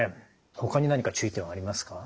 ほかに何か注意点はありますか？